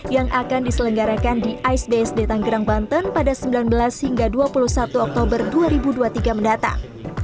yang akan diselenggarakan di ice based tanggerang banten pada sembilan belas hingga dua puluh satu oktober dua ribu dua puluh tiga mendatang